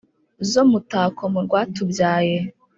zo mutako mu rwatubyaye